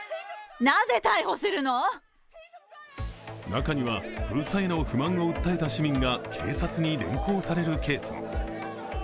中には封鎖への不満を訴えた市民が警察に連行されるケースも。